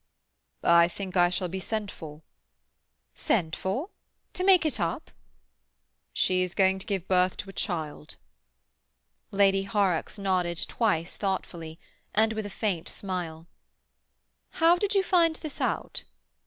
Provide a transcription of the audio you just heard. "I think I shall be sent for." "Sent for? To make it up?" "She is going to give birth to a child." Lady Horrocks nodded twice thoughtfully, and with a faint smile. "How did you find this out?"